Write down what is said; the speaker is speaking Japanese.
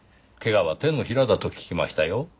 怪我は手のひらだと聞きましたよ。